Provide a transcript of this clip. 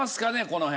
この辺。